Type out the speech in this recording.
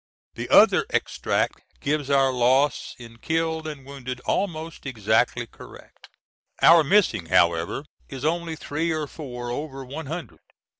The other extract gives our loss in killed and wounded almost exactly correct. Our missing however is only three or four over one hundred.